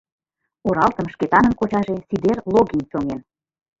Оралтым Шкетанын кочаже Сидер Логин чоҥен.